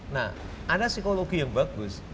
nah ada psikologi yang bagus